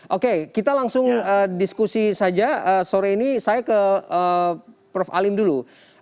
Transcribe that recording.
oke kita langsung diskusi saja sore ini saya ke prof alim dulu